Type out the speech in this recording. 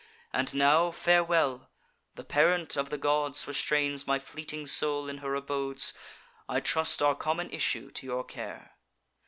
And now, farewell! The parent of the gods Restrains my fleeting soul in her abodes: I trust our common issue to your care.